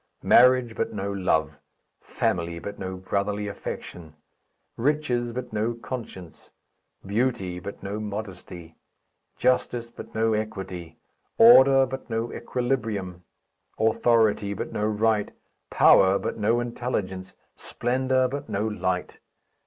Marriage, but no love; family, but no brotherly affection; riches, but no conscience; beauty, but no modesty; justice, but no equity; order, but no equilibrium; authority, but no right; power, but no intelligence; splendour, but no light.